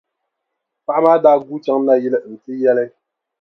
Paɣa maa daa guui chaŋ nayili n-ti yɛli.